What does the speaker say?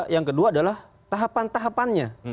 yang kedua adalah tahapan tahapannya